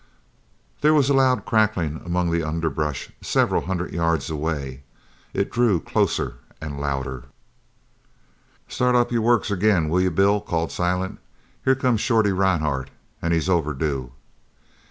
There was a loud crackling among the underbrush several hundred yards away. It drew closer and louder. "Start up your works agin, will you, Bill?" called Silent. "Here comes Shorty Rhinehart, an' he's overdue."